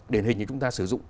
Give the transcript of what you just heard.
để hình như chúng ta sử dụng